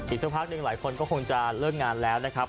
อีกสักพักหนึ่งหลายคนก็คงจะเลิกงานแล้วนะครับ